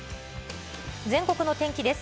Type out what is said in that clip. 全国の天気です。